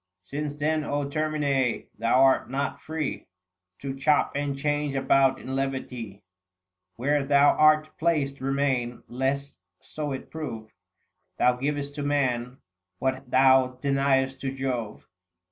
Since then, Termine, thou art not free 720 To chop and change about in levity : Where thou art placed remain, lest so it prove Thou giv'st to man what thou deny'st to Jove.